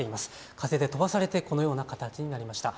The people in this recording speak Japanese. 風で飛ばされてこのような形になりました。